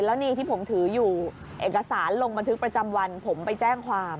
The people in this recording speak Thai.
แล้วนี่ที่ผมถืออยู่เอกสารลงบันทึกประจำวันผมไปแจ้งความ